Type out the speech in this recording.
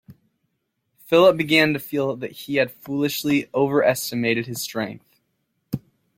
Philip began to feel that he had foolishly overestimated his strength.